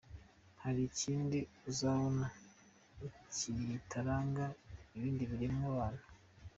Hari ikindi uzabona kitaranga ibindi biremwabantu?